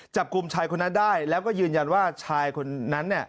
จับกลุ่มชายคนนั้นได้แล้วก็ยืนยันว่าชายคนนั้นเนี่ย